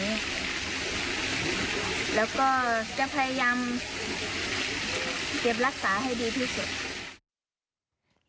แล้วก็จะพยายามเก็บรักษาให้ดีที่สุด